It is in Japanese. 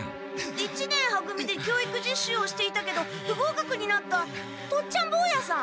一年は組で教育実習をしていたけどふごうかくになったとっちゃんぼうやさん！